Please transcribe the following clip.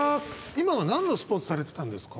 今の何のスポーツされてたんですか？